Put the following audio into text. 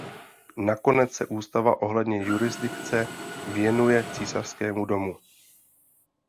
Nakonec se ústava ohledně jurisdikce věnuje císařskému domu.